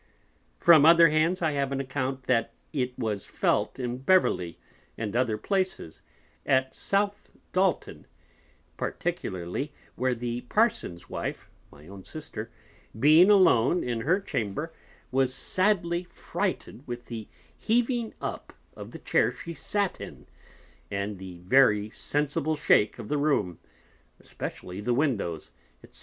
From other Hands I have an Account that it was felt in Beverly, and other Places; at South Dalton particularly, where the Parson's Wife (my own Sister) being alone in her Chamber, was sadly frighted with the heaving up of the Chair she sat in, and the very sensible Shake of the Room, especially the Windows, _&c.